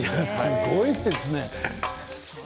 すごいですね。